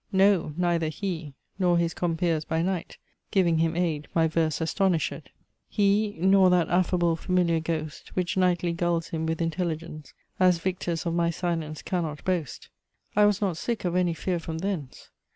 No, neither he, nor his compeers by night Giving him aid, my verse astonished. He, nor that affable familiar ghost, Which nightly gulls him with intelligence, As victors of my silence cannot boast; I was not sick of any fear from thence!